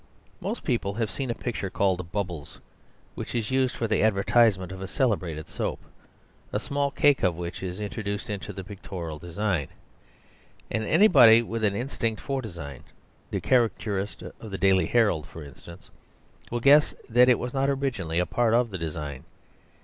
Most people have seen a picture called "Bubbles," which is used for the advertisement of a celebrated soap, a small cake of which is introduced into the pictorial design. And anybody with an instinct for design (the caricaturist of the Daily Herald, for instance), will guess that it was not originally a part of the design.